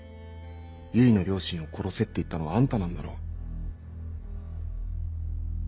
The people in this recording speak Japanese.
唯の両親を殺せって言ったのはあんたなんだろ？